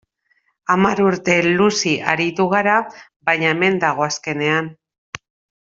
Hamar urte luze aritu g ara, baina hemen dago azkenean.